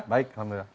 baik selamat malam